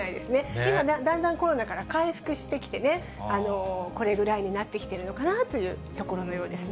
今、だんだんコロナから回復してきてね、これぐらいになってきてるのかなというところのようですね。